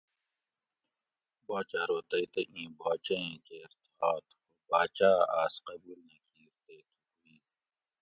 باچہ ارو تئ تہ ایں باچہ ایں کیر تھاۤت خو باۤچاۤ اۤ آۤس قبُول نہ کِیر تی تھُکو ای